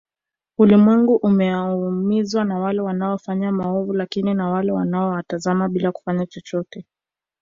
Ulimwengu umeumizwa na wale wanaofanya maovu lakini na wale wanao watazama bila kufanya chochote